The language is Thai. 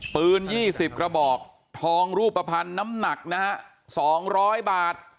ปืน๒๐กระบอกทองรูปภัณฑ์น้ำหนักนะฮะ๒๐๐บาท